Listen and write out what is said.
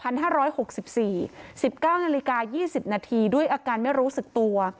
๑๙นาฬิกา๒๐นาทีด้วยอาการไม่รู้สึกตัว